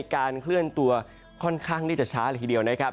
การเคลื่อนตัวค่อนข้างที่จะช้าเลยทีเดียวนะครับ